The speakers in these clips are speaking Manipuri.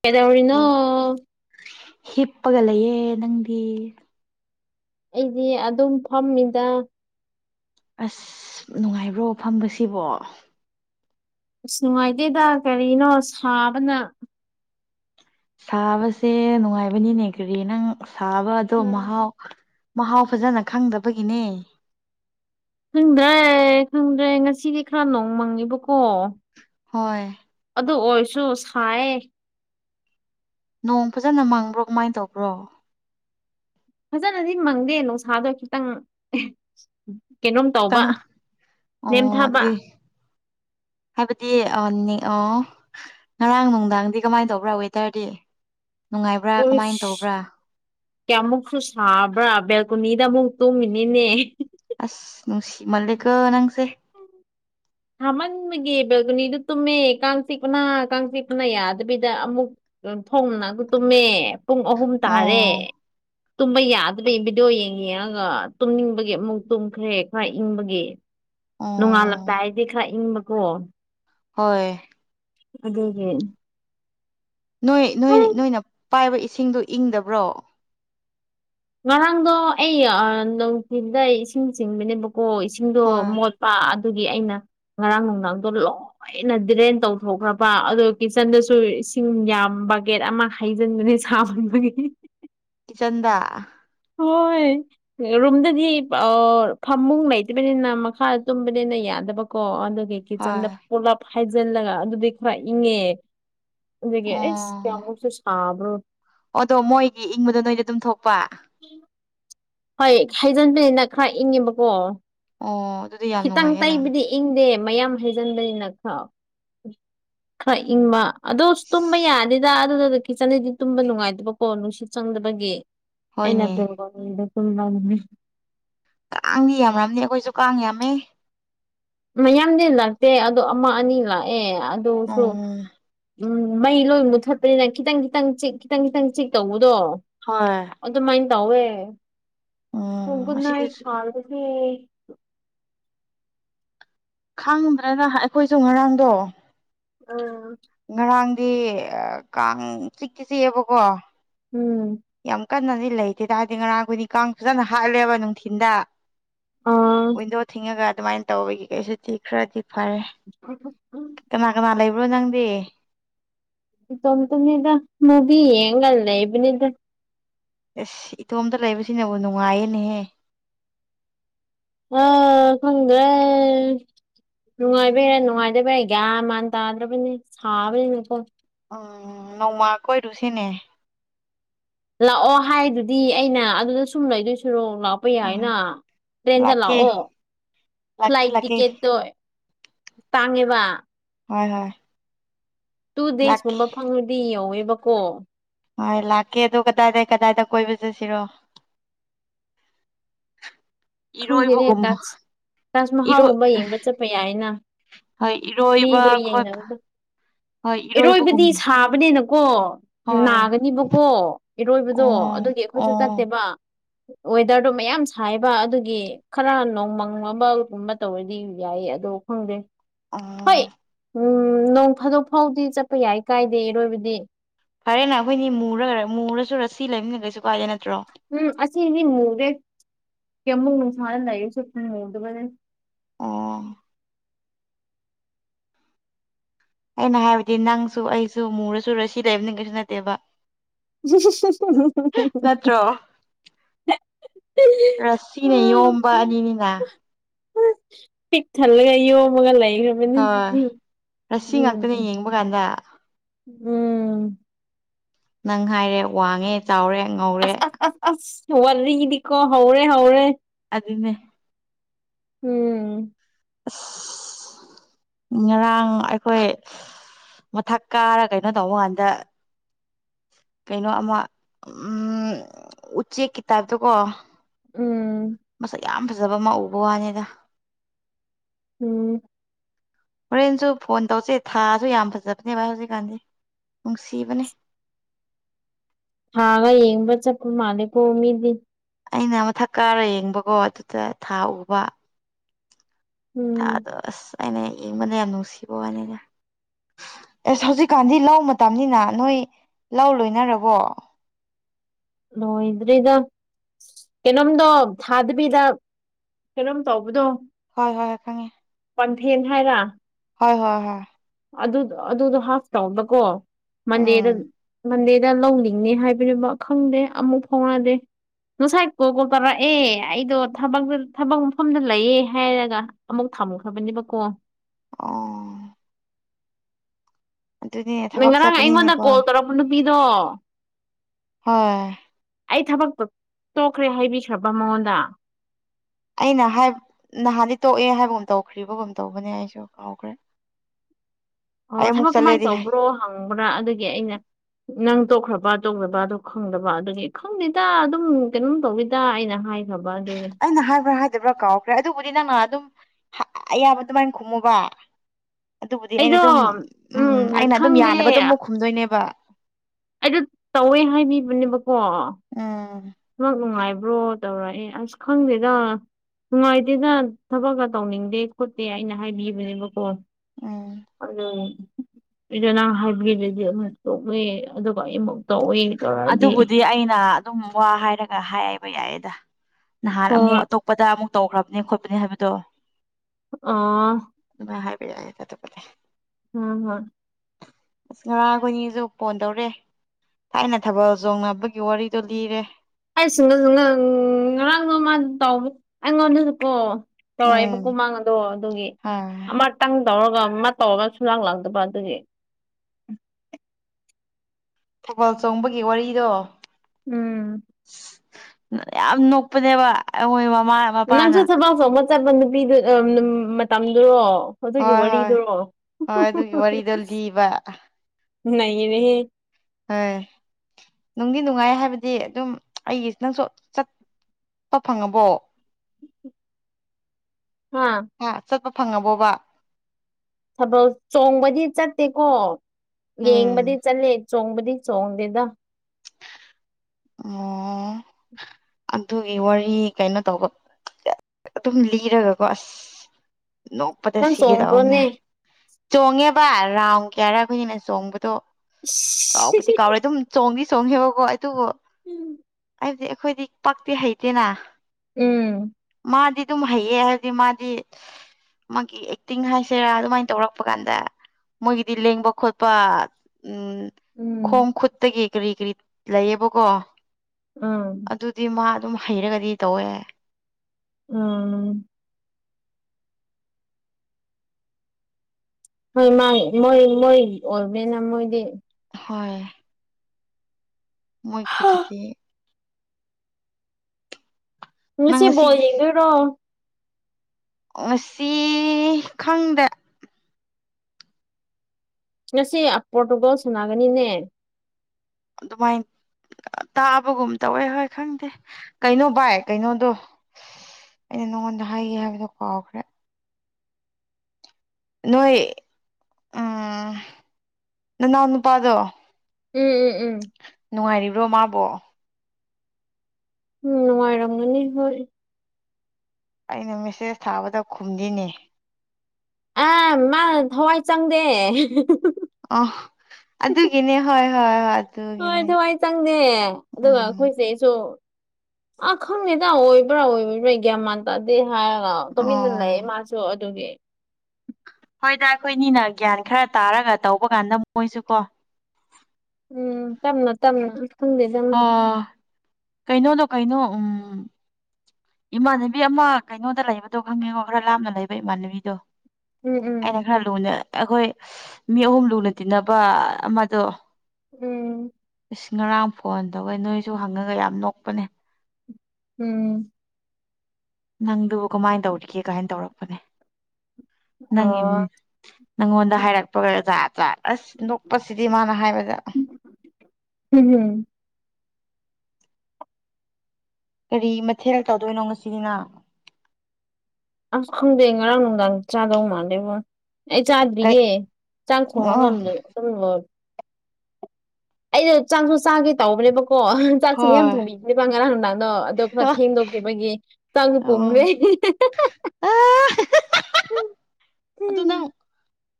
ꯀꯩꯗꯧꯔꯤꯅꯣ ꯑꯣ ꯍꯤꯞꯄꯒ ꯂꯩꯌꯦ ꯅꯪꯗꯤ ꯑꯩꯗꯤ ꯑꯗꯨꯝ ꯐꯝꯃꯤꯗ ꯑꯁ ꯅꯨꯡꯉꯥꯏꯕ꯭ꯔꯣ ꯐꯝꯕꯁꯤꯕꯣ ꯑꯁ ꯅꯨꯡꯉꯥꯏꯇꯦꯗ ꯀꯔꯤꯅꯣ ꯁꯥꯕꯅ ꯁꯥꯕꯁꯦ ꯅꯨꯡꯉꯥꯏꯕꯅꯤꯅꯦ ꯀꯔꯤ ꯅꯪ ꯁꯥꯕ ꯑꯗꯣ ꯎꯝ ꯃꯍꯥꯎ ꯃꯍꯥꯎ ꯐꯖꯅ ꯈꯪꯗꯕꯒꯤꯅꯦ ꯈꯪꯗ꯭ꯔꯦ ꯈꯪꯗ꯭ꯔꯦ ꯉꯁꯤꯒꯤ ꯈꯔ ꯅꯣꯡ ꯃꯪꯉꯦꯕꯀꯣ ꯍꯣꯏ ꯑꯗꯨ ꯑꯣꯏꯔꯁꯨ ꯁꯥꯏꯑꯦ ꯅꯣꯡ ꯐꯖꯅ ꯃꯪꯕ꯭ꯔꯣ ꯀꯃꯥꯏ ꯇꯧꯕ꯭ꯔꯣ ꯐꯖꯅꯗꯤ ꯃꯪꯗꯦ ꯅꯨꯡꯁꯥꯗꯣ ꯈꯤꯇꯪ ꯍꯦ ꯀꯩꯅꯣꯝ ꯇꯧꯕ ꯈꯤꯇꯪ ꯑꯣ ꯅꯦꯝꯊꯕ ꯑꯗꯨꯗꯤ [inaudible] ꯍꯥꯏꯕꯗꯤ ꯑ ꯅꯤ ꯑꯣ ꯉꯔꯥꯡ ꯅꯨꯡꯗꯥꯡꯗꯤ ꯀꯃꯥꯏꯅ ꯇꯧꯕ꯭ꯔꯥ ꯋꯦꯗꯔꯗꯤ ꯅꯨꯡꯉꯥꯏꯕ꯭ꯔꯥ ꯀꯃꯥꯏ ꯇꯧꯕ꯭ꯔꯥ ꯀ꯭ꯌꯥꯃꯨꯛꯁꯨ ꯁꯥꯕ꯭ꯔꯥ ꯕꯦꯜꯀꯨꯅꯤꯗ ꯑꯃꯨꯛ ꯇꯨꯝꯃꯤꯅꯤꯅꯦ ꯑꯁ ꯅꯨꯡꯁꯤ ꯃꯜꯂꯦꯀꯣ ꯅꯪꯁꯦ ꯁꯥꯃꯟꯕꯒꯤ ꯕꯦꯜꯀꯨꯅꯤꯗꯨ ꯇꯨꯝꯃꯦ ꯀꯥꯡ ꯆꯤꯛꯄꯅ ꯀꯥꯡ ꯆꯤꯛꯄꯅ ꯌꯥꯗꯕꯤꯗ ꯑꯃꯨꯛ ꯑ ꯊꯣꯡ ꯃꯅꯥꯛꯇ ꯇꯨꯝꯃꯦ ꯄꯨꯡ ꯑꯍꯨꯝ ꯇꯥꯔꯦ ꯑꯣ ꯇꯨꯝꯕ ꯌꯥꯗꯕꯒꯤ ꯚꯤꯗꯤꯑꯣ ꯌꯦꯡ ꯌꯦꯡꯉꯒ ꯇꯨꯝꯅꯤꯡꯕꯒꯤ ꯑꯃꯨꯛ ꯇꯨꯝꯈ꯭ꯔꯦ ꯈꯔ ꯏꯪꯕꯒꯤ ꯅꯣꯡꯉꯥꯜꯂꯝ ꯑꯣ ꯇꯥꯏꯗꯤ ꯈꯔ ꯏꯪꯕꯀꯣ ꯍꯣꯏ ꯑꯗꯨꯗꯤ ꯅꯣꯏ ꯅꯣꯏ ꯅꯣꯏꯅ ꯄꯥꯏꯕ ꯏꯁꯤꯡꯗꯨ ꯏꯪꯗꯕ꯭ꯔꯣ ꯉꯔꯥꯡꯗꯣ ꯑꯩ ꯑ ꯉꯨꯡꯊꯤꯟꯗ ꯏꯁꯤꯡ ꯆꯤꯡꯕꯅꯦꯕ ꯀꯣ ꯏꯁꯤꯡꯗꯣ ꯍꯣꯏ ꯃꯣꯠꯄꯥ ꯑꯗꯨꯒꯤ ꯑꯩꯅ ꯉꯔꯥꯡ ꯅꯨꯡꯗꯥꯡꯗꯣ ꯂꯣꯏꯅ ꯗ꯭ꯔꯦꯟ ꯇꯧꯊꯣꯛꯈ꯭ꯔꯕ ꯑꯗꯣ ꯀꯤꯠꯆꯟꯗꯁꯨ ꯏꯁꯤꯡ ꯌꯥꯝ ꯕꯀꯦꯠ ꯑꯃ ꯍꯩꯖꯟꯕꯅꯦ ꯁꯥꯃꯟꯕꯒꯤ ꯀꯤꯆꯟꯗ ꯍꯣꯏ ꯔꯨꯝꯗꯗꯤ ꯑꯣ ꯐꯃꯨꯡ ꯂꯩꯇꯕꯅꯤꯅ ꯃꯈꯥꯗ ꯇꯨꯝꯕꯅꯤꯅ ꯌꯥ ꯌꯥꯗꯕꯀꯣ ꯑꯗꯨꯒꯤ ꯀꯤꯠꯆꯟꯗ ꯍꯣꯏ ꯄꯨꯂꯞ ꯍꯩꯖꯤꯜꯂꯒ ꯑꯗꯨꯗꯤ ꯈꯔ ꯏꯪꯉꯦ ꯑꯗꯨꯒꯤ ꯑꯩꯁ ꯀꯌꯥꯃꯨꯛꯁꯨ ꯁꯥꯕ꯭ꯔꯣ ꯑꯣꯗꯣ ꯃꯣꯏꯒꯤ ꯏꯪꯕꯗ ꯅꯣꯏꯗ ꯑꯗꯨꯝ ꯊꯣꯛꯄ ꯍꯣꯏ ꯍꯩꯖꯤꯟꯗꯦꯅ ꯈꯔ ꯏꯪꯉꯦꯕꯀꯣ ꯑꯣ ꯑꯗꯨꯗꯤ ꯌꯥꯝ ꯈꯤꯇꯪ ꯅꯨꯡꯉꯥꯏꯌꯦꯅ ꯇꯩꯕꯗꯤ ꯏꯪꯗꯦ ꯃꯌꯥꯝ ꯍꯩꯖꯤꯟꯕꯅꯤꯅ ꯈꯔ ꯈꯔ ꯏꯪꯕ ꯑꯗꯣ ꯇꯨꯝꯕ ꯌꯥꯗꯦꯗ ꯑꯗꯨꯗ ꯀꯤꯠꯆꯟꯗꯗꯤ ꯇꯨꯝꯕ ꯅꯨꯡꯉꯥꯏꯇꯕꯀꯣ ꯅꯨꯡꯁꯤꯠ ꯆꯪꯗꯕꯒꯤ ꯑꯩꯅ ꯍꯣꯏꯅꯦ ꯕꯦꯜꯀꯣꯅꯤꯗ ꯇꯨꯝꯔꯝꯕꯅꯦ ꯀꯥꯡꯗꯤ ꯌꯥꯝꯔꯝꯅꯤ ꯑꯩꯈꯣꯏꯁꯨ ꯀꯥꯡ ꯌꯥꯝꯃꯦ ꯃꯌꯥꯝꯗꯤ ꯂꯥꯛꯇꯦ ꯑꯗꯣ ꯑꯃ ꯑꯅꯤ ꯂꯥꯛꯑꯦ ꯑꯗꯣꯁꯨ ꯑꯣ ꯎꯝ ꯃꯩ ꯂꯣꯏ ꯃꯨꯠꯊꯠꯄꯅꯤꯅ ꯈꯤꯇꯪ ꯈꯤꯇꯪ ꯆꯤꯛ ꯈꯤꯇꯪ ꯈꯤꯇꯪ ꯆꯤꯛ ꯇꯧꯕꯗꯣ ꯍꯣꯏ ꯇꯥꯎꯌꯦ ꯒꯨ ꯑꯣ ꯒꯨꯠꯅꯥꯏꯠ ꯑꯁꯤꯁꯨ ꯊꯥꯕꯒꯤ ꯈꯥꯡꯕ꯭ꯔꯥꯅ ꯑꯩꯈꯣꯏꯁꯨ ꯉꯔꯥꯡꯗꯣ ꯑꯝ ꯉꯔꯥꯡꯗꯤ ꯑ ꯀꯥꯡ ꯆꯤꯛꯇꯤ ꯆꯤꯛꯑꯦꯕꯀꯣ ꯎꯝ ꯌꯥꯝ ꯀꯟꯅꯗꯤ ꯂꯩꯇꯦ ꯗꯥ ꯑꯗꯤ ꯉꯔꯥꯡ ꯈꯣꯏꯅꯤ ꯀꯥꯡ ꯐꯖꯅ ꯍꯥꯠꯂꯦꯕ ꯅꯨꯡꯊꯤꯟꯗꯥ ꯑꯥ ꯋꯤꯟꯗꯣ ꯊꯤꯡꯉꯒ ꯑꯗꯨꯃꯥꯏꯅ ꯇꯧꯕꯒꯤ ꯀꯩꯁꯨ ꯆꯤꯛ ꯈ꯭ꯔ ꯆꯤꯛ ꯐꯔꯦ ꯀꯅꯥ ꯀꯅꯥ ꯂꯩꯕ꯭ꯔꯣ ꯅꯪꯗꯤ ꯏꯇꯣꯝꯇꯅꯤꯗꯥ ꯃꯨꯚꯤ ꯌꯦꯡꯉꯒ ꯂꯩꯕꯅꯤꯗ ꯑꯁ ꯏꯇꯣꯝꯇ ꯂꯩꯕꯁꯤꯅꯕꯨ ꯅꯨꯡꯉꯥꯏꯌꯦꯅꯦꯍꯦ ꯑꯥ ꯈꯪꯗ꯭ꯔꯦ ꯅꯨꯡꯉꯥꯏꯕꯩꯔ ꯅꯨꯡꯉꯥꯏꯗꯕꯩꯔ ꯒ꯭ꯌꯥꯟ ꯃꯥꯟ ꯇꯥꯗ꯭ꯔꯕꯅꯤ ꯁꯥꯕꯖꯤꯗꯀꯣ ꯑꯥ ꯅꯣꯡꯃ ꯀꯣꯏꯔꯨꯁꯤꯅꯦ ꯂꯥꯛꯑꯣ ꯍꯥꯏꯗꯨꯗꯤ ꯑꯩꯅ ꯑꯗꯨꯗ ꯁꯨꯝ ꯂꯩꯗꯣꯏ ꯁꯔꯨꯛ ꯂꯥꯛꯄ ꯎꯝ ꯌꯥꯏꯅꯥ ꯇ꯭ꯔꯦꯟꯗ ꯂꯥꯛꯀꯦ ꯂꯥꯛꯑꯣ ꯂꯥꯛꯀꯦ ꯐ꯭ꯂꯥꯏꯠ ꯂꯥꯛꯀꯦ ꯇꯤꯀꯦꯠꯇꯣ ꯇꯥꯡꯉꯦꯕꯥ ꯍꯣꯏ ꯍꯣꯏ ꯇꯨ ꯂꯥꯛꯀꯦ ꯗꯦꯖꯀꯨꯝꯕ ꯐꯪꯂꯗꯤ ꯌꯧꯋꯦꯕꯀꯣ ꯍꯣꯏ ꯂꯥꯛꯀꯦ ꯑꯗꯨ ꯀꯗꯥꯏꯗꯩ ꯀꯗꯥꯏꯗ ꯀꯣꯏꯕ ꯆꯠꯁꯤꯔꯣ ꯈꯪꯗꯦꯅꯦ ꯏꯔꯣꯏꯕꯒꯨꯝꯕ ꯇꯥꯖ ꯇꯥꯖ ꯏꯔꯣꯏ ꯃꯍꯥꯜꯒꯨꯝꯕ ꯌꯦꯡꯕ ꯆꯠꯄ ꯌꯥꯏꯅ ꯍꯣꯏ ꯏꯔꯣꯏꯕ ꯃꯤꯗꯣ ꯈꯣꯠꯄ ꯌꯦꯡꯅꯕꯗꯨ ꯍꯣꯏ ꯏꯔꯣꯏꯕꯗꯤ ꯏꯔꯣꯏꯕꯒꯨꯝꯕ ꯁꯥꯕꯅꯦꯅꯀꯣ ꯍꯣꯏ ꯅꯥꯒꯅꯤꯕꯀꯣ ꯏꯔꯣꯏꯕꯗꯣ ꯑꯣ ꯑꯗꯨꯒꯤ ꯑꯈꯣꯏꯖꯨ ꯑꯣ ꯆꯠꯇꯦꯕꯥ ꯋꯦꯗꯔꯗꯣ ꯃꯌꯥꯝ ꯁꯥꯏꯌꯦꯕ ꯑꯗꯨ ꯒꯤ ꯈꯔ ꯅꯣꯡꯃꯪ ꯃꯒꯨꯝꯕ ꯇꯧꯔꯗꯤ ꯌꯥꯏꯌꯦ ꯑꯗꯣ ꯈꯪꯗꯦ ꯍꯣꯏ ꯑꯝ ꯎꯝ ꯅꯣꯡ ꯐꯥꯗꯣꯛ ꯐꯥꯎꯗꯤ ꯆꯠꯄ ꯌꯥꯏ ꯀꯥꯏꯗꯦ ꯏꯔꯣꯏꯕꯗꯤ ꯐꯔꯦꯅꯥ ꯑꯈꯣꯏꯅꯤ ꯃꯨꯔꯒ ꯃꯨꯔꯁꯨ ꯔꯁꯤ ꯂꯩꯝꯅꯤꯅ ꯀꯩꯁꯨ ꯀꯥꯏꯗꯦ ꯅꯠꯇ꯭ꯔꯣ ꯁꯤꯡꯗꯤ ꯃꯨꯗꯦ ꯑꯃꯨꯛ ꯅꯨꯡꯁꯥꯗ ꯅꯩꯔꯁꯨ ꯃꯗꯕꯅꯦ ꯑꯣ ꯑꯩꯅ ꯍꯥꯏꯕꯗꯤ ꯅꯪꯁꯨ ꯑꯩꯁꯨ ꯃꯨꯔꯁꯨ ꯔꯁꯤ ꯂꯩꯕꯅꯤꯅ ꯀꯩꯁꯨ ꯅꯠꯇꯦꯕꯥ ꯍꯤ ꯍꯤ ꯍꯤ ꯍꯤ ꯍ ꯍ ꯅꯠꯇ꯭ꯔꯣ ꯔꯁꯤꯅ ꯌꯣꯝꯕ ꯑꯅꯤꯅꯤꯅꯥ ꯄꯤꯛ ꯊꯜꯂꯒ ꯌꯣꯝꯃꯒ ꯂꯩ ꯂꯩꯔꯕꯅꯤꯅ ꯍꯣꯏ ꯎꯝ ꯔꯁꯤ ꯉꯥꯛꯇꯅꯦ ꯎꯝ ꯌꯦꯡꯕ ꯀꯥꯟꯗ ꯎꯝ ꯅꯪ ꯍꯥꯏꯔꯦ ꯋꯥꯡꯉꯦ ꯆꯥꯎꯔꯦ ꯉꯧꯔꯦ ꯑꯁ ꯑꯁ ꯑꯁ ꯑꯁ ꯋꯥꯔꯤꯗꯤꯀꯣ ꯍꯧꯔꯦ ꯍꯧꯔꯦ ꯑꯗꯨꯅꯦ ꯎꯝ ꯑꯁ ꯉꯔꯥꯡ ꯑꯩꯈꯣꯏ ꯃꯊꯛ ꯀꯥꯔ ꯀꯩꯅꯣ ꯇꯧꯕ ꯀꯥꯟꯗ ꯀꯩꯅꯣ ꯑꯃ ꯎꯝ ꯎꯆꯦꯛꯀꯤ ꯇꯥꯏꯞꯗꯣꯀꯣ ꯎꯝ ꯌꯥꯝ ꯐꯖꯕ ꯑꯃ ꯎꯕ ꯋꯥꯅꯤꯗ ꯎꯝ ꯍꯣꯔꯦꯟꯁꯨ ꯐꯣꯟ ꯇꯧꯁꯦ ꯊꯥꯁꯨ ꯌꯥꯝ ꯐꯖꯕꯅꯦ ꯚꯥꯏ ꯍꯧꯖꯤꯛꯀꯥꯟꯖꯦ ꯅꯨꯡꯁꯤꯕꯅꯦ ꯊꯥꯒ ꯌꯦꯡꯕ ꯆꯠꯄ ꯃꯥꯜꯂꯦꯀꯣ ꯃꯤꯗꯤ ꯑꯩꯅ ꯃꯊꯛ ꯀꯥꯔ ꯌꯦꯡꯕꯀꯣ ꯑꯗꯨꯗ ꯊꯥ ꯎꯕ ꯎꯝ ꯊꯥꯗꯣ ꯑꯁ ꯑꯩꯅ ꯌꯦꯡꯕꯗ ꯌꯥꯝ ꯅꯨꯡꯁꯤꯕ ꯋꯥꯅꯦꯗꯥ ꯑꯦꯁ ꯍꯧꯖꯤꯛꯀꯥꯟꯗꯤ ꯂꯧ ꯃꯇꯝꯅꯤꯅ ꯅꯣꯏ ꯂꯧ ꯂꯣꯏꯅꯔꯕꯣ [inaudible] ꯂꯣꯏꯗ꯭ꯔꯤꯗ ꯀꯩꯅꯣꯝꯗꯣ ꯊꯥꯗꯕꯤꯗ ꯀꯩꯅꯣꯝ ꯇꯧꯕꯗꯣ ꯍꯣꯏ ꯍꯣ ꯍꯣꯢ ꯈꯪꯉꯦ ꯄꯟꯐꯦꯟ ꯍꯥꯏꯔ ꯍꯣꯏ ꯍꯣꯏ ꯍꯣꯏ ꯑꯗꯨ ꯑꯗꯨꯗꯣ ꯍꯥꯐ ꯇꯧꯕꯀꯣ ꯃꯟꯗꯦꯗ ꯎꯝ ꯃꯟꯗꯦꯗ ꯂꯧ ꯂꯤꯡꯅꯤ ꯍꯥꯏꯕꯅꯦꯕ ꯈꯪꯗꯦ ꯑꯃꯨꯛ ꯐꯥꯎꯅꯗꯦ ꯉꯁꯥꯏ ꯀꯣ ꯀꯣꯜ ꯇꯧꯔꯛꯑꯦ ꯑꯩꯗꯣ ꯊꯕꯛꯇ ꯊꯕꯛ ꯃꯐꯝꯗ ꯂꯩꯌꯦ ꯍꯥꯏꯔꯒ ꯑꯃꯨꯛ ꯊꯝꯈ꯭ꯔꯕꯅꯦꯕꯀꯣ ꯑꯣ ꯑꯗꯨꯅꯦ ꯊꯕꯛ ꯉꯔꯥꯡ ꯑꯩꯉꯣꯟꯗ ꯆꯠꯄꯅꯤꯅꯦꯀꯣ ꯀꯣꯜ ꯇꯧꯔꯛꯄ ꯅꯨꯄꯤꯗꯣ ꯍꯣꯏ ꯑꯩ ꯊꯕꯛꯇꯣ ꯇꯣꯛꯈ꯭ꯔꯦ ꯍꯥꯏꯕꯤꯈ꯭ꯔꯕ ꯃꯉꯣꯟꯗ ꯑꯩꯅ ꯍꯥꯏ ꯅꯍꯥꯟꯗꯤ ꯇꯣꯛꯑꯦ ꯍꯥꯏꯕꯒꯨꯝ ꯇꯧꯈ꯭ꯔꯤꯕꯒꯨꯝ ꯇꯧꯕꯅꯦ ꯑꯩꯁꯨ ꯀꯥꯎꯈ꯭ꯔꯦ [inaudible] ꯑꯩ ꯑꯣ ꯑꯃꯨꯛ ꯊꯕꯛ ꯀꯃꯥꯏꯅ ꯆꯠꯂꯦꯗꯤ ꯍꯥꯏ ꯇꯧꯕ꯭ꯔꯣ ꯍꯪꯕ꯭ꯔꯥ ꯑꯗꯨꯒꯤ ꯑꯩꯅ ꯅꯪ ꯇꯣꯛꯈ꯭ꯔꯕ ꯇꯣꯛꯈ꯭ꯔꯕ ꯑꯗꯨ ꯈꯪꯗꯕ ꯑꯗꯨꯒꯤ ꯈꯪꯗꯦꯗ ꯑꯗꯨꯝ ꯀꯩꯅꯣꯝ ꯇꯧꯋꯤꯗ ꯑꯩꯅ ꯍꯥꯏꯈ꯭ꯔꯕ ꯑꯗꯨꯒꯤ ꯑꯩꯅ ꯍꯥꯏꯕ꯭ꯔꯥ ꯍꯥꯏꯗꯕ꯭ꯔꯥ ꯀꯥꯎꯈ꯭ꯔꯦ ꯑꯗꯨꯕꯨꯗꯤ ꯅꯪꯅ ꯑꯗꯨꯝ ꯍꯥ ꯑꯌꯥꯝꯕ ꯑꯗꯨꯃꯥꯏꯅ ꯈꯨꯝꯃꯨꯕ ꯑꯗꯨꯕꯨꯗꯤ ꯑꯩꯅ ꯑꯩꯗꯣ ꯑꯗꯨꯝ ꯎꯝ ꯑꯩꯅ ꯑꯗꯨꯝ ꯌꯥꯅꯕ ꯑꯗꯨꯝ ꯃꯨꯛ ꯈꯨꯝꯗꯣꯏꯅꯦꯕ ꯑꯩꯗꯣ ꯇꯧꯋꯦ ꯍꯥꯏꯕꯤꯕꯅꯦꯕꯀꯣ ꯎꯝ ꯊꯕꯛ ꯅꯨꯡꯉꯥꯏꯕ꯭ꯔꯣ ꯇꯧꯔꯛꯑꯦ ꯑꯁ ꯈꯪꯗꯦꯗ ꯅꯨꯡꯉꯥꯏꯇꯦꯗ ꯊꯕꯛꯀ ꯇꯧꯅꯤꯡꯗꯦ ꯈꯣꯠꯇꯦ ꯑꯩꯅ ꯍꯥꯏꯕꯤꯕꯅꯦꯕꯀꯣ ꯎꯝ ꯑꯗꯨꯅꯤ ꯑꯩꯗꯣ ꯅꯪ ꯍꯥꯏꯕꯤꯗꯗꯤ ꯑꯃ ꯇꯣꯛꯂꯦ ꯑꯗꯨꯒ ꯑꯩꯃꯨꯛ ꯇꯧꯋꯦ ꯇꯧꯔꯛꯑꯗꯤ ꯑꯗꯨꯕꯨꯗꯤ ꯑꯩꯅ ꯑꯗꯨꯝ ꯋꯥ ꯍꯥꯏꯔꯒ ꯍꯥꯏꯕ ꯌꯥꯏꯌꯦꯗ ꯅꯍꯥꯟ ꯍꯣꯏ ꯑꯃꯨꯛ ꯑꯇꯣꯞꯄꯗ ꯑꯃꯨꯛ ꯇꯧꯈ꯭ꯔꯕꯅꯦ ꯈꯣꯠꯄꯅꯦ ꯍꯥꯏꯕꯗꯣ ꯑꯥ ꯌꯥꯢꯌꯦꯗ ꯑꯗꯨꯕꯨꯗꯤ ꯎꯝ ꯍꯝ ꯑꯁ ꯉꯔꯥꯡ ꯑꯩꯈꯣꯏꯅꯤꯁꯨ ꯐꯣꯟ ꯇꯧꯔꯦ ꯊꯥꯏꯅ ꯊꯥꯕꯜ ꯆꯣꯡꯅꯕꯒꯤ ꯋꯥꯔꯤꯗꯣ ꯂꯤꯔꯦ ꯑꯩꯁꯤꯅꯁꯨ ꯉ ꯉꯔꯥꯡ ꯅ ꯃꯥ ꯇꯧꯕ ꯑꯩꯉꯣꯟꯗꯁꯨꯀꯣ ꯇꯧꯔꯛꯏꯕꯀꯣ ꯎꯝ ꯃꯥ ꯑꯗꯣ ꯑꯗꯨꯒꯤ ꯍꯣꯏ ꯑꯃꯇꯪ ꯇꯧꯔꯒ ꯃꯥ ꯇꯧꯔꯒ ꯁꯨꯝꯂꯥꯛ ꯂꯥꯛꯇꯕ ꯑꯗꯨꯒꯤ ꯊꯥꯕꯜ ꯆꯣꯡꯕꯒꯤ ꯋꯥꯔꯤꯗꯣ ꯎꯝ ꯌꯥꯝ ꯅꯣꯛꯄꯅꯦꯕ ꯑꯩꯈꯣꯢ ꯋꯥ ꯅꯪꯁꯨ ꯊꯥꯕꯜ ꯆꯣꯡꯕ ꯆꯠꯄ ꯅꯨꯄꯤꯗꯨ ꯑꯥ ꯃ ꯃꯇꯝꯗꯨꯔꯣ ꯑꯣ ꯑꯗꯨꯒꯤ ꯍꯣꯏ ꯍꯣꯏ ꯋꯥꯔꯤꯗꯨꯔꯣ ꯍꯣꯏ ꯑꯗꯨꯒꯤ ꯋꯥꯔꯤꯗꯣ ꯂꯤꯕ ꯍꯪꯍꯥꯍꯥꯍꯍ ꯅꯩꯔꯦꯍꯦ ꯍꯣꯏ ꯅꯨꯡꯗꯤ ꯅꯨꯡꯉꯥꯏ ꯍꯥꯏꯕꯗꯤ ꯑꯗꯨꯝ ꯑꯩꯒꯤ ꯅꯪꯁꯨ ꯆꯠ ꯄ ꯐꯪꯉꯕꯣ ꯍꯥꯥ ꯄ ꯐꯪꯉꯕꯣꯕ ꯊꯥꯕꯜ ꯆꯣꯡꯕꯗꯤ ꯆꯠꯇꯦꯀꯣ ꯎꯝ ꯌꯦꯡꯕꯗꯤ ꯆꯠꯂꯦ ꯆꯣꯡꯕꯗꯤ ꯆꯣꯡꯗꯦꯗ ꯑꯣ ꯑꯗꯨꯒꯤ ꯋꯥꯔꯤ ꯀꯩꯅꯣ ꯇꯧꯕ ꯑꯗꯨꯝ ꯂꯤꯔꯒꯀꯣ ꯑꯁ ꯅꯣꯛꯄꯗ ꯅꯪ ꯁꯤꯒꯦꯊꯧꯋꯦꯅꯦ ꯆꯣꯡꯕ꯭ꯔꯣꯅꯦ ꯆꯣꯡꯉꯦꯕ ꯔꯥꯎꯟ ꯀꯌꯥꯔ ꯑꯩꯈꯣꯏꯅ ꯆꯣꯡꯕꯗꯣ ꯏꯁ ꯀꯥꯎꯕꯗꯤ ꯀꯥꯎꯔꯦ ꯑꯗꯨꯝ ꯆꯣꯡꯗꯤ ꯆꯣꯡꯉꯦꯕꯀꯣ ꯑꯗꯨꯕꯨ ꯎꯝ ꯍꯥꯏꯕꯗꯤ ꯑꯩꯈꯣꯏꯗꯤ ꯄꯛꯇꯤ ꯍꯩꯇꯦꯅ ꯎꯝ ꯃꯥꯗꯤ ꯑꯗꯨꯝ ꯍꯩꯌꯦ ꯍꯥꯏꯕꯗꯤ ꯃꯥꯗꯤ ꯃꯥꯒꯤ ꯑꯦꯛꯇꯤꯡ ꯍꯥꯏꯁꯦꯔꯥ ꯑꯗꯨꯃꯥꯏꯅ ꯇꯧꯔꯛꯄ ꯀꯥꯟꯗ ꯃꯣꯏꯒꯤꯗꯤ ꯂꯦꯡꯕ ꯈꯣꯠꯄ ꯎꯝ ꯎꯝ ꯈꯣꯡ ꯈꯨꯠꯇꯒꯤ ꯀꯔꯤ ꯀꯔꯤ ꯂꯩꯌꯦꯕꯀꯣ ꯑꯥ ꯑꯗꯨꯗꯤ ꯃꯥ ꯑꯗꯨꯝ ꯍꯩꯔꯒꯗꯤ ꯇꯧꯋꯦ ꯎꯝ ꯍꯣꯏ ꯃꯥ ꯃꯣꯏ ꯃꯣꯏ ꯑꯣꯏꯕꯅꯤꯅ ꯃꯣꯏꯗꯤ ꯍꯣꯏ ꯃꯣꯏꯒꯤ ꯍꯥ ꯊꯨꯗꯤ ꯉꯁꯤ ꯕꯣꯜ ꯌꯦꯡꯗꯣꯢꯔꯣ ꯉꯁꯤ ꯈꯪꯗꯦ ꯉꯁꯤ ꯄꯣꯔꯇꯨꯒꯜ ꯁꯥꯟꯅꯒꯅꯤꯅꯦ ꯑꯗꯨꯃꯥꯏ ꯇꯥꯕꯒꯨꯝ ꯇꯧꯋꯦ ꯍꯣꯏ ꯈꯪꯗꯦ ꯀꯩꯅꯣ ꯚꯥꯏ ꯀꯩꯅꯣꯗꯣ ꯑꯩꯅ ꯅꯉꯣꯟꯗ ꯍꯥꯢꯒꯦ ꯍꯥꯏꯕꯗꯣ ꯀꯥꯎꯈ꯭ꯔꯦ ꯅꯣꯏ ꯎꯝ ꯅꯅꯥꯎꯅꯨꯄꯥꯗꯣ ꯎꯝ ꯎꯝ ꯎꯝ ꯅꯨꯡꯉꯥꯏꯔꯤꯕ꯭ꯔꯣ ꯃꯥꯕꯣ ꯎꯝ ꯅꯨꯡꯉꯥꯏꯔꯝꯒꯅꯤ ꯍꯣꯏ ꯑꯩꯅ ꯃꯦꯁꯦꯁ ꯊꯥꯕꯗ ꯈꯨꯝꯗꯦꯅꯦ ꯑ ꯃꯥꯅ ꯊꯋꯥꯏ ꯆꯪꯗꯦ ꯑꯣ ꯍꯝꯍꯝ ꯍꯣꯏ ꯊꯋꯥꯏ ꯆꯪꯗꯦ ꯑꯗꯨꯒ ꯎꯝ ꯑꯩꯈꯣꯏ ꯆꯦꯁꯨ ꯑ ꯈꯪꯗꯦꯗ ꯑꯣꯏꯕ꯭ꯔꯥ ꯑꯣꯏꯕꯕ꯭ꯔꯥ ꯒꯥꯢꯟ ꯃꯥꯟ ꯇꯥꯗꯦ ꯍꯥꯏꯔꯒ ꯇꯣꯃꯤꯟꯅ ꯑꯣ ꯂꯩꯌꯦ ꯃꯥꯁꯨ ꯑꯗꯨꯒꯤ ꯍꯣꯏꯗ ꯑꯩꯈꯣꯏꯅꯤꯅ ꯒ꯭ꯌꯥꯟ ꯈꯔ ꯇꯥꯔꯒ ꯇꯧꯕ ꯀꯥꯟꯗ ꯃꯣꯏꯁꯨ ꯀꯣ ꯎꯝ ꯇꯞꯅ ꯇꯞꯅ ꯈꯪꯗꯦꯗꯝ ꯍ ꯀꯩꯅꯣꯗꯣ ꯀꯩꯅꯣ ꯎꯝ ꯏꯃꯥꯟꯅꯕꯤ ꯑꯃ ꯀꯩꯅꯣꯗ ꯂꯩꯕꯗꯣ ꯈꯪꯉꯦꯕ ꯈꯔ ꯂꯥꯞꯅ ꯂꯩꯕ ꯏꯃꯥꯟꯅꯕꯤꯗꯣ ꯎꯝ ꯑꯩꯅ ꯎꯝ ꯈꯔ ꯂꯨꯅ ꯑꯩꯈꯣꯏ ꯃꯤ ꯑꯍꯨꯝ ꯂꯨꯅ ꯇꯤꯟꯅꯕ ꯑꯃꯗꯣ ꯎꯝ ꯑꯁ ꯉꯔꯥꯡ ꯐꯣꯟ ꯇꯧꯋꯦ ꯅꯣꯏꯁꯨ ꯍꯪꯉꯒ ꯌꯥꯝ ꯅꯣꯛꯄꯅꯦ ꯎꯝ ꯅꯪꯗꯨ ꯀꯃꯥꯏꯅ ꯇꯧꯔꯤꯒꯦ ꯀꯥꯏꯅ ꯇꯧꯔꯛꯄꯅꯦ ꯅꯪꯒꯤ ꯑꯣ ꯅꯪꯉꯣꯟꯗ ꯍꯥꯏꯔꯛꯄ ꯇꯥꯢꯞ ꯇꯥꯢꯞ ꯑꯁ ꯅꯣꯛꯄꯁꯤꯗꯤ ꯃꯥꯅ ꯍꯥꯏꯕꯗ ꯎꯝ ꯀꯔꯤ ꯃꯊꯦꯜ ꯇꯧꯗꯣꯏꯅꯣ ꯉꯁꯤꯗꯤꯅ ꯑꯁ ꯈꯪꯗꯦ ꯉꯔꯥꯡ ꯅꯨꯡꯗꯥꯡ ꯆꯥꯗꯧ ꯃꯥꯟꯗꯦꯕ ꯑꯩ ꯀꯩ ꯆꯥꯗ꯭ꯔꯤꯌꯦ ꯆꯥꯛ ꯑꯣ ꯊꯣꯡꯉꯒ ꯑꯗꯨꯝ ꯂꯣꯢ ꯑꯩꯗꯣ ꯆꯥꯛꯁꯨ ꯆꯥꯒꯦ ꯇꯧꯕꯅꯦꯕ ꯀꯣ ꯆꯥꯛꯁꯨ ꯃꯌꯥꯝ ꯍꯣꯏ ꯊꯣꯡꯕꯤꯕꯅꯦꯕ ꯉꯔꯥꯡ ꯅꯨꯗꯥꯡꯗꯣ ꯑꯗꯣ ꯈꯔ ꯍꯣꯏ ꯊꯦꯡꯗꯣꯛꯈꯤꯕꯒꯤ ꯆꯥꯛꯁꯨ ꯄꯨꯝꯈ꯭ꯔꯦ ꯑꯦꯍꯦ ꯢꯍꯦꯍꯦꯍꯦ ꯑ ꯑꯗꯨ ꯅꯪ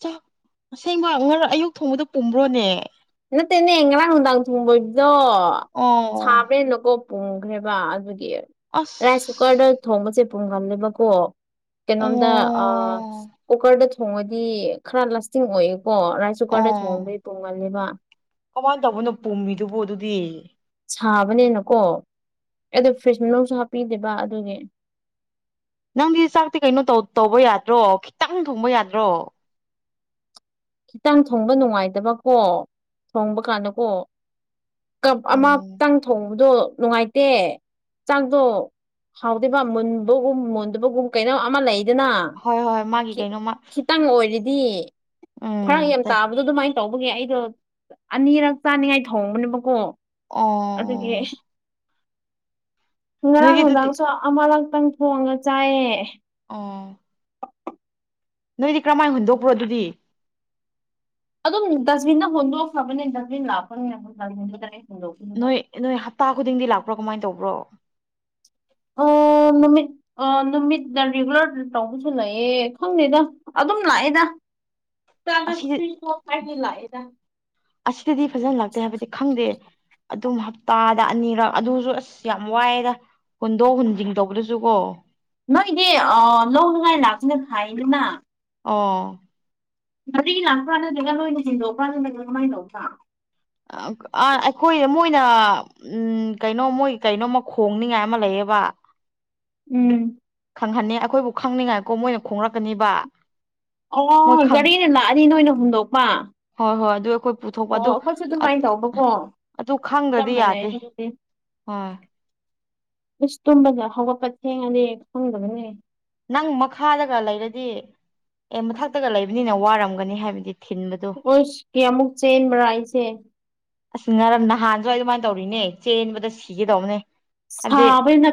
ꯆꯥꯥꯛ ꯑꯁꯦꯡꯕ ꯉꯔꯥꯡ ꯑꯌꯨꯛ ꯊꯣꯡꯕꯗꯨ ꯄꯨꯝꯕ꯭ꯔꯣꯅꯦ ꯅꯠꯇꯦꯅꯦ ꯉꯔꯥꯡ ꯅꯨꯡꯗꯥꯡ ꯊꯣꯡꯕꯗꯣ ꯑꯣ ꯁꯥꯕ꯭ꯔꯦꯅꯀꯣ ꯄꯨꯈ꯭ꯔꯦꯕ ꯑꯗꯨ ꯑꯦ ꯔꯥꯏꯁ ꯀꯨꯀꯔꯗ ꯑꯁ ꯊꯣꯡꯕꯁꯦ ꯄꯨꯨꯝꯒꯜꯂꯦꯕꯀꯣ ꯀꯩꯅꯣꯝꯗ ꯑ ꯑꯣ ꯀꯨꯀꯔꯗ ꯊꯣꯡꯉꯗꯤ ꯈꯔ ꯂꯥꯁꯇꯤꯡ ꯑꯣꯏꯌꯦ ꯀꯣ ꯔꯥꯏꯁ ꯀꯨꯀꯔꯗ ꯆꯣꯡꯕꯗꯤ ꯄꯨꯝꯒꯜꯂꯤꯕ ꯀꯃꯥꯏ ꯇꯧꯕꯅꯣ ꯄꯨꯝꯃꯤꯗꯨꯕꯨ ꯑꯗꯨꯗꯤ ꯁꯥꯕꯅꯦꯅꯀꯣ ꯑꯩꯗꯣ ꯐ꯭ꯔꯤꯖ ꯃꯅꯨꯡꯁꯨ ꯍꯥꯞꯄꯤꯗꯦꯕ ꯑꯗꯨꯒꯤ ꯅꯪꯗꯤ ꯆꯥꯛꯇꯤ ꯀꯩꯅꯣ ꯇꯧ ꯇꯧꯕ ꯌꯥꯗ꯭ꯔꯣ ꯈꯤꯇꯪ ꯊꯣꯡꯕ ꯌꯥꯗ꯭ꯔꯣ ꯈꯤꯇꯪ ꯊꯣꯡꯕ ꯅꯨꯡꯉꯥꯏꯇꯕꯀꯣ ꯊꯣꯡꯕ ꯀꯥꯟꯗꯀꯣ ꯀꯞ ꯎꯝ ꯑꯃꯇꯪ ꯊꯣꯡꯕꯗꯣ ꯅꯨꯡꯉꯥꯏꯇꯦ ꯆꯥꯛꯗꯣ ꯍꯥꯎꯗꯦꯕ ꯃꯨꯟꯕꯒꯨꯝ ꯃꯨꯟꯗꯕꯒꯨꯝ ꯀꯩꯅꯣ ꯑꯃ ꯂꯩ ꯂꯩꯗꯅ ꯍꯣꯏ ꯍꯣꯏ ꯃꯥꯒꯤ ꯈꯤ ꯀꯩꯅꯣꯃ ꯈꯤꯇꯪ ꯑꯣꯏꯔꯗꯤ ꯐꯔꯛ ꯎꯝ ꯌꯥꯝ ꯇꯥꯕꯗꯣ ꯑꯗꯨꯃꯥꯏꯅ ꯇꯧꯕꯒꯤ ꯑꯩꯗꯣ ꯑꯅꯤꯔꯛ ꯆꯥꯅꯤꯡꯉꯥꯏ ꯊꯣꯡꯕꯅꯦꯕꯀꯣ ꯑꯗꯨꯒꯤ ꯑꯣ ꯉꯔꯥꯡ ꯅꯣꯏꯗꯤ ꯑꯗꯨꯗꯤ ꯅꯨꯡꯗꯥꯡꯁꯨ ꯑꯃꯔꯛꯇꯪ ꯊꯣꯡꯉ ꯆꯥꯏꯌꯦ ꯑꯣ ꯅꯣꯏꯗꯤ ꯀꯔꯝꯃꯥꯏꯅ ꯍꯨꯟꯗꯣꯛꯄ꯭ꯔꯣ ꯑꯗꯨꯗꯤ ꯑꯗꯨꯝ ꯗꯁꯕꯤꯟꯗ ꯍꯣꯟꯗꯣꯛꯈꯔꯕꯅꯦ ꯗꯁꯕꯤꯟ ꯂꯥꯛꯄꯅꯤꯅ ꯗꯨꯝ ꯂꯪꯈ꯭ꯔꯦ ꯅꯣꯏ ꯅꯣꯏ ꯍꯞꯇꯥ ꯈꯨꯗꯤꯡꯗꯤ ꯂꯥꯛꯄ꯭ꯔꯣ ꯀꯃꯥꯏꯅ ꯇꯧꯕ꯭ꯔꯣ ꯑꯝ ꯑꯣ ꯅꯨꯃꯤꯠ ꯑ ꯅꯨꯃꯤꯠ ꯔꯤꯒꯨꯂꯔ ꯇꯧꯕꯁꯨ ꯂꯩꯌꯦ ꯈꯪꯗꯦꯗ ꯑꯗꯨꯝ ꯂꯥꯛꯑꯦꯗ ꯑꯁꯤꯗꯤ [unintelligible] ꯑꯁꯤꯗꯗꯤ ꯐꯖꯅ ꯂꯥꯛꯇꯦ ꯍꯥꯏꯕꯗꯤ ꯈꯪꯗꯦ ꯑꯗꯨꯝ ꯍꯞꯇꯥꯗ ꯑꯅꯤꯔꯛ ꯑꯗꯨꯁꯨ ꯑꯁ ꯌꯥꯝ ꯋꯥꯏꯌꯦꯗ ꯍꯨꯟꯗꯣꯛ ꯍꯨꯟꯖꯤꯡ ꯇꯧꯕꯗꯁꯨ ꯀꯣ ꯅꯣꯏꯗꯤ ꯑꯥ ꯂꯧꯅꯤꯡꯉꯥꯏ ꯂꯥꯛꯄꯅ ꯐꯩꯌꯦꯗꯅ ꯑꯣ ꯒꯔꯤ ꯂꯥꯛꯄ꯭ꯔꯥ ꯅꯠꯇ꯭ꯔꯒ ꯅꯣꯏꯅ ꯍꯦꯟꯗꯣꯛꯄ꯭ꯔꯥ ꯅꯠꯇ꯭ꯔꯒ ꯀꯃꯥꯏꯅ ꯇꯧꯕ꯭ꯔꯥ ꯑꯥ ꯑꯈꯣꯏ ꯃꯣꯏꯅ ꯎꯝ ꯀꯩꯅꯣ ꯃꯣꯏ ꯀꯩꯅꯣꯃ ꯈꯣꯡꯅꯤꯉꯥꯏ ꯑꯃ ꯂꯩꯌꯦꯕ [inaudible] ꯎꯝ ꯈꯪꯍꯟꯅꯤ ꯑꯈꯣꯏꯕꯨ ꯈꯪꯅꯤꯡꯉꯥꯏꯀꯣ ꯃꯣꯏꯅ ꯈꯣꯡꯔꯛꯀꯅꯤꯕ ꯑꯣ ꯒꯥꯔꯤꯅ ꯂꯥꯛꯑꯗꯤ ꯅꯣꯏꯅ ꯍꯨꯟꯗꯣꯛꯄ ꯍꯣꯏ ꯍꯣꯏ ꯑꯗꯨ ꯀꯣꯏ ꯄꯨꯊꯣꯛꯄ ꯑꯗꯨ ꯗꯨꯃꯥꯏꯅ ꯇꯧꯕꯀꯣ ꯑꯗꯨ ꯆꯞ ꯈꯪꯗ꯭ꯔꯗꯤ ꯃꯥꯟꯅꯩꯌꯦ ꯌꯥꯗꯦ ꯑꯗꯨꯗꯤ ꯍꯣꯏ ꯏꯁ ꯇꯨꯝꯕꯗ ꯍꯧꯒꯠꯄ ꯊꯦꯡꯉꯗꯤ ꯈꯪꯗꯕꯅꯦ ꯅꯪ ꯃꯈꯥꯗꯒ ꯂꯩꯔꯗꯤ ꯑꯦ ꯃꯊꯛꯇꯒ ꯂꯩꯕꯅꯤꯅ ꯋꯥꯔꯝꯒꯅꯤ ꯍꯥꯏꯕꯗꯤ ꯊꯤꯟꯕꯗꯣ ꯑꯣꯏꯁ ꯀꯌꯥꯃꯨꯛ ꯆꯦꯟꯕ꯭ꯔꯥ ꯑꯩꯁꯦ ꯑꯁ ꯉꯔꯥ ꯅꯍꯥꯟꯁꯨ ꯑꯩ ꯑꯗꯨꯃꯥꯏꯅ ꯇꯧꯔꯤꯅꯦ ꯆꯦꯟꯕꯗ ꯁꯤꯒꯦꯇꯧꯕꯅꯦ ꯁꯥꯕꯩꯅꯞ